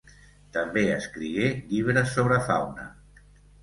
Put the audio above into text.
També escrigué llibres sobre fauna.